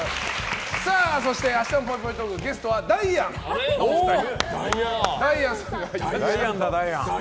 そして、明日のぽいぽいトークゲストはダイアンさんが。